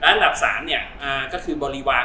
และอันดับสามก็คือบริวาร